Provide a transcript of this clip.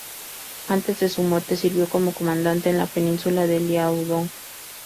Antes de su muerte, sirvió como comandante en la península de Liaodong.